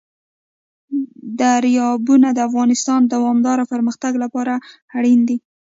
دریابونه د افغانستان د دوامداره پرمختګ لپاره اړین دي.